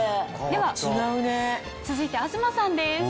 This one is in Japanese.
では続いて東さんです。